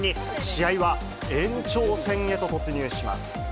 試合は、延長戦へと突入します。